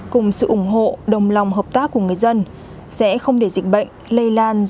cùng sự ủng hộ đồng lòng hợp tác của người dân sẽ không để dịch bệnh lây lan ra cộng đồng